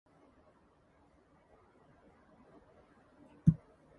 Today, the Uffizi is one of the most popular tourist attractions of Florence.